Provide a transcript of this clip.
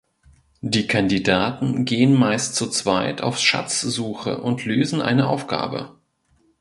Die Kandidaten gehen meist zu zweit auf Schatzsuche und lösen eine Aufgabe.